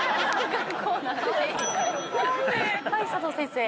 はい佐藤先生。